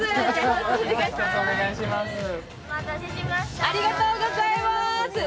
ありがとうございます。